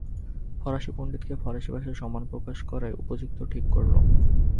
ফরাসী পণ্ডিতকে ফরাসী ভাষায় সম্মান প্রকাশ করাই উপযুক্ত ঠিক করল।